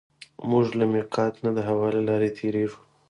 موږ له مېقات نه د هوا له لارې تېرېږو.